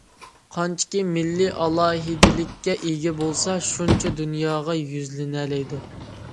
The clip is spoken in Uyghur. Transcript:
« قانچىكى مىللىي ئالاھىدىلىككە ئىگە بولسا شۇنچە دۇنياغا يۈزلىنەلەيدۇ».